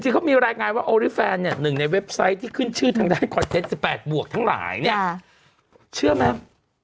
เขามีรายงานว่าโอริแฟนเนี่ยหนึ่งในเว็บไซต์ที่ขึ้นชื่อทางด้านคอนเทนต์๑๘บวกทั้งหลายเนี่ยเชื่อไหม